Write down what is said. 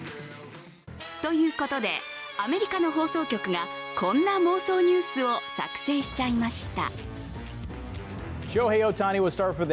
ということで、アメリカの放送局がこんな妄想ニュースを作成しちゃいました。